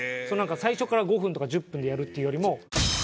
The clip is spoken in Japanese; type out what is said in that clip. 最初から５分とか１０分でやるっていうよりも。